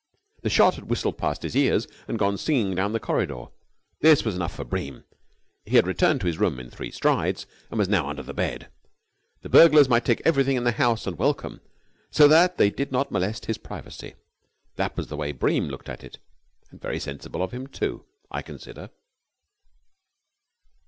The shot had whistled past his ears and gone singing down the corridor. This was enough for Bream. He had returned to his room in three strides, and was now under the bed. The burglars might take everything in the house and welcome, so that they did not molest his privacy. That was the way Bream looked at it. And very sensible of him, too, I consider.